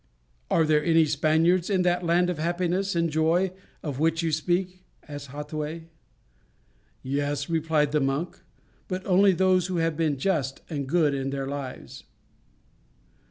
"Are there any Spaniards in that land of happiness and joy of which you speak?" asked Hattuey. "Yes," replied the monk, "but only those who have been just and good in their lives."